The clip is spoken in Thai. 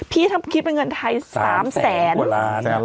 พี่คิดเป็นเงินไทย๓แสน